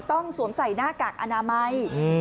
สวมใส่หน้ากากอนามัย